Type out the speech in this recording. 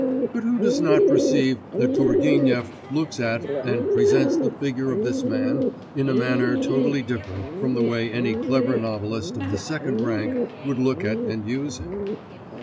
But who does not perceive that Turgenev looks at and presents the figure of this man in a manner totally different from the way any clever novelist of the second rank would look at and use him?